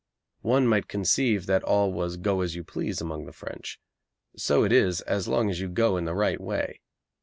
One might conceive that all was 'go as you please' among the French. So it is as long as you go in the right way.